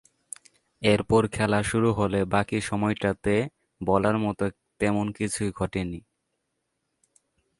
এরপর খেলা শুরু হলে বাকি সময়টাতে বলার মতো তেমন কিছুই ঘটেনি।